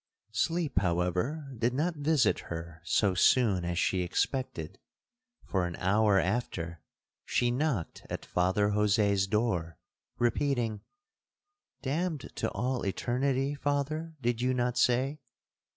'Sleep, however, did not visit her so soon as she expected, for an hour after she knocked at Father Jose's door, repeating, 'Damned to all eternity, Father, did you not say?'